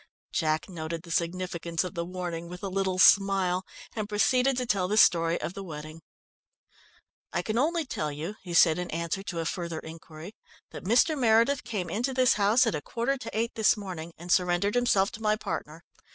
Jack noted the significance of the warning with a little smile, and proceeded to tell the story of the wedding. "I can only tell you," he said in answer to a further inquiry, "that Mr. Meredith came into this house at a quarter to eight this morning, and surrendered himself to my partner.